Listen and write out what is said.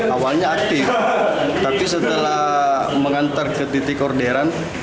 awalnya aktif tapi setelah mengantar ke titik orderan